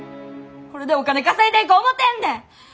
これでお金稼いでいこう思てんねん！